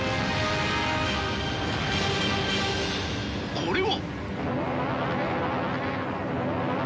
これは。